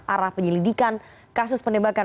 arah penyelidikan kasus penembakan